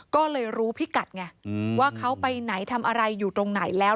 ก็เลยรู้พิกัดไงว่าเขาไปไหนทำอะไรอยู่ตรงไหนแล้ว